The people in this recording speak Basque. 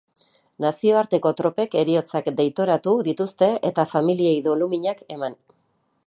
Nazioarteko tropek heriotzak deitoratu dituzte eta familiei doluminak eman.